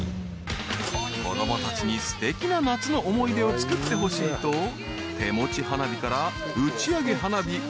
［子供たちにすてきな夏の思い出をつくってほしいと手持ち花火から打ち上げ花火